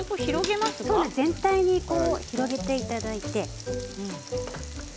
全体に広げていただいて。